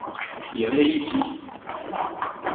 Yerra-yi-tt-id.